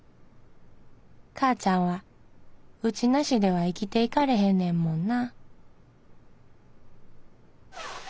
かーちゃんはうち無しでは生きていかれへんねんもんな」。